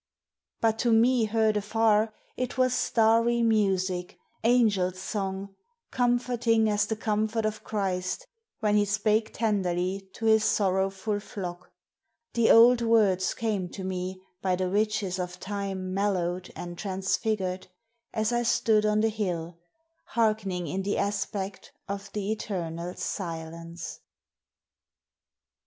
But to me heard afar it was starry music Angels' song, comforting as the comfort of Christ When he spake tenderly to his sorrowful flock: The old words came to me by the riches of time Mellow'd and transfigured as I stood on the hill Heark'ning in the aspect of th' eternal silence.